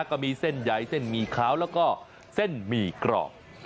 ก็มีเส้นใหญ่เส้นหมี่ขาวแล้วก็เส้นหมี่กรอบ